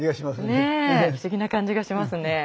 ねえ不思議な感じがしますね。